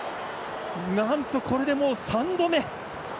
なんとこれで３度目。